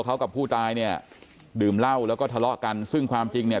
เขากับผู้ตายเนี่ยดื่มเหล้าแล้วก็ทะเลาะกันซึ่งความจริงเนี่ย